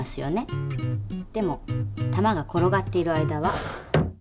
でも玉が転がっている間は。